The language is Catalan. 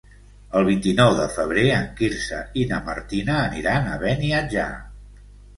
El vint-i-nou de febrer en Quirze i na Martina aniran a Beniatjar.